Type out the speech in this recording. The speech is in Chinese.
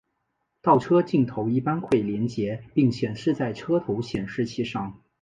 倒车镜头一般会连结并显示在车头显示器上。